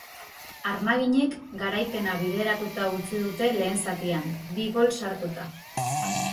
Armaginek garaipena bideratuta utzi dute lehen zatian, bi gol sartuta.